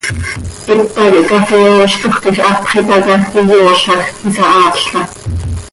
Hita quih cafee ooztoj quij hapx itaca, iyoozaj, isahaapl taa.